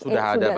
sudah ada banyak